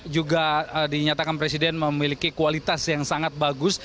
juga dinyatakan presiden memiliki kualitas yang sangat bagus